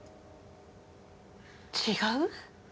違う？